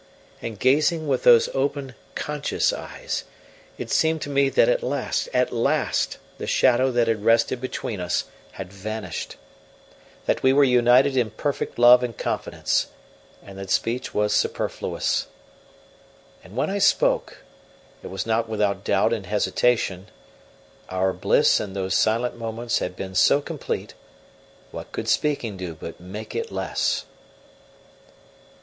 And gazing with those open, conscious eyes, it seemed to me that at last, at last, the shadow that had rested between us had vanished, that we were united in perfect love and confidence, and that speech was superfluous. And when I spoke, it was not without doubt and hesitation: our bliss in those silent moments had been so complete, what could speaking do but make it less!